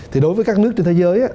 thì đối với các nước trên thế giới